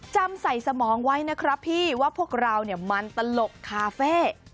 จำใส่สมองไว้นะครับพี่ว่าพวกเรามันตลกคาเฟ่